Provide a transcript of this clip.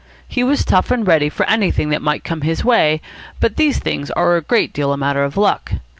He was tough and ready for anything that might come his way, but these things are a great deal a matter of luck.